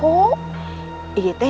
ini si iroh